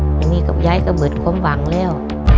พวกนี้ก็ย้ายกระบวนความบังแล้ว